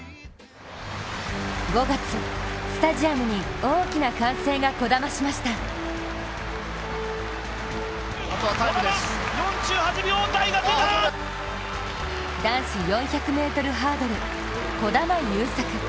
５月、スタジアムに大きな歓声がこだましました男子４００ｍハードル、児玉悠作。